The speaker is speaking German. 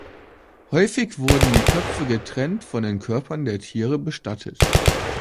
Häufig wurden die Köpfe getrennt von den Körpern der Tiere bestattet.